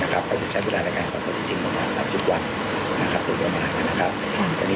เขาจะใช้เวลาในการสอบปฏิเถียง๓๐วัน